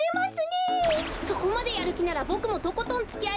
そこまでやるきならボクもとことんつきあいますよ！